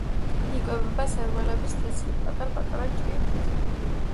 იკვებება სარეველების თესლით, პატარ-პატარა ჭიებით.